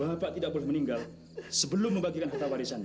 aku tidak boleh meninggal sebelum membagikan harta warisannya